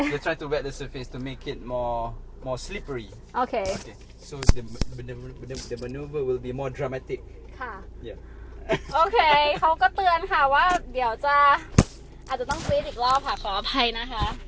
โอเคเขาก็เตือนค่ะว่าเดี๋ยวจะอาจจะต้องกรี๊ดอีกรอบค่ะขออภัยนะคะ